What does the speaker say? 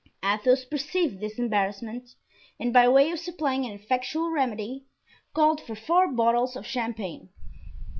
Athos perceived this embarrassment, and by way of supplying an effectual remedy, called for four bottles of champagne.